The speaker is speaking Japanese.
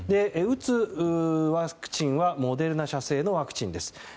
打つワクチンはモデルナ社製のワクチンです。